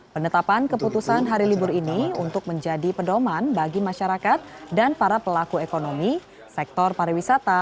penetapan keputusan hari libur ini untuk menjadi pedoman bagi masyarakat dan para pelaku ekonomi sektor pariwisata